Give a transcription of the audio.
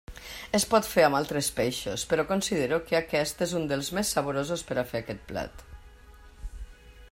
Es pot fer amb altres peixos, però considero que aquest és un dels més saborosos per a fer aquest plat.